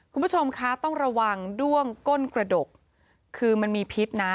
คุณผู้ชมคะต้องระวังด้วงก้นกระดกคือมันมีพิษนะ